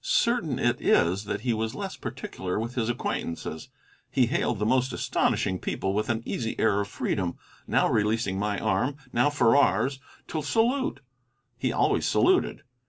Certain it is that he was less particular with his acquaintances. He hailed the most astonishing people with an easy air of freedom, now releasing my arm, now Farrar's, to salute. He always saluted.